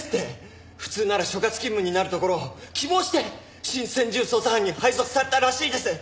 普通なら所轄勤務になるところを希望して新専従捜査班に配属されたらしいです！